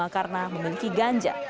karena memiliki ganja